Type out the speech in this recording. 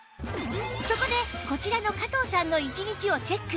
そこでこちらの加藤さんの１日をチェック！